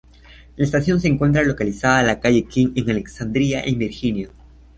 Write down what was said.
La estación se encuentra localizada la Calle King en Alexandria en Virginia.